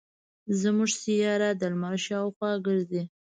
زمونږ سیاره د لمر شاوخوا ګرځي.